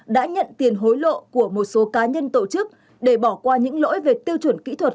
đã nhận tiền hối lộ của một số cá nhân tổ chức để bỏ qua những lỗi về tiêu chuẩn kỹ thuật